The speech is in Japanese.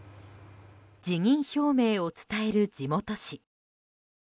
辞任表明を伝える地元紙。